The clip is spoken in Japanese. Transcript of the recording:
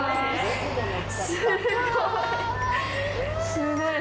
すごい！